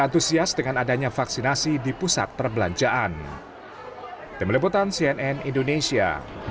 antusias dengan adanya vaksinasi di pusat perbelanjaan tim liputan cnn indonesia